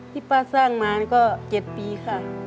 ที่ป้าสร้างนั้นก็เจ็ดปีค่ะ